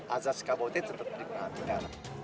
agar asas kabutnya tetap diperhatikan